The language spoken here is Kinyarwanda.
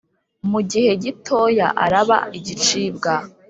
mu gihe gitoya araba igicibwa